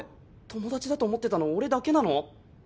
友達だと思ってたの俺だけなの！？